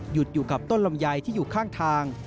อยู่กับต้นลำไยที่อยู่ข้างทาง